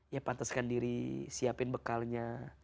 ya pantaskan diri siapin bekalnya